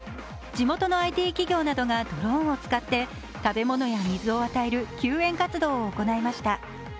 熱気の影響でヘリによる救出が難しい中、地元のＩＴ企業などがドローンを使って食べ物や水を与える救援活動を行いました。